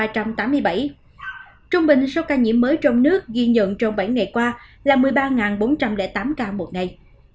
các địa phương ghi nhận số ca nhiễm mới trong nước ghi nhận trong bảy ngày qua là một mươi ba bốn trăm linh tám ca một ngày